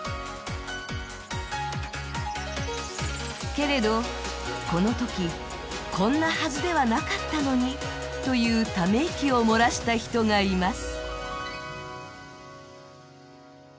けれどこのとき、こんなはずではなかったのにというため息を漏らした人がいます。